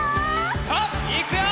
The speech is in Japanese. さあいくよ！